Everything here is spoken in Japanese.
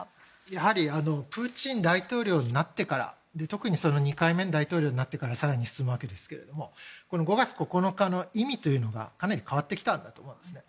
やはりプーチン大統領になってから特に２回目の大統領になってから更に進むわけですけど５月９日の意味というのがかなり変わってきたんだと思うんですね。